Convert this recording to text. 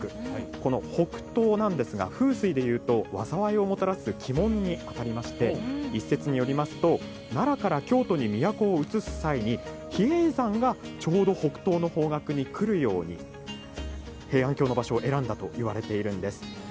この北東なんですが風水でいうと災いをもたらす鬼門に当たりまして一説によりますと奈良から京都に都を移す際に比叡山がちょうど北東の方角にくるように平安京の場所を選んだといわれているんです。